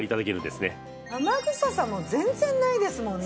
生臭さも全然ないですもんね。